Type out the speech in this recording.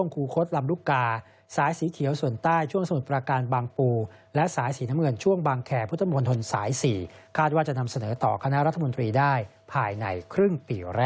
ก็ขอบคุณทุกฝ่ายที่เกี่ยวข้อง